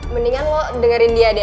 mendingan lo dengerin dia deh